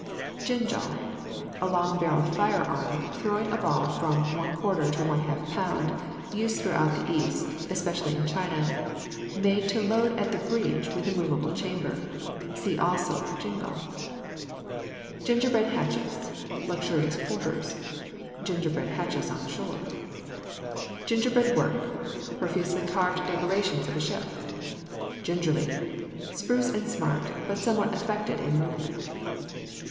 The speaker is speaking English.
GINGAL. A long barrelled fire arm, throwing a ball of from 1/4 to 1/2 lb., used throughout the East, especially in China; made to load at the breach with a movable chamber. (See also JINGAL.) GINGERBREAD HATCHES. Luxurious quarters "Gingerbread hatches on shore." GINGERBREAD WORK. Profusely carved decorations of a ship. GINGERLY. Spruce and smart, but somewhat affected in movement.